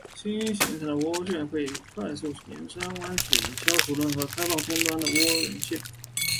新形成的涡旋会快速伸展和弯曲以消除任何开放终端的涡旋线。